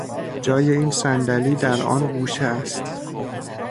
جای این صندلی در آن گوشه است.